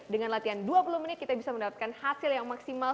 dengan latihan dua puluh menit kita bisa mendapatkan hasil yang maksimal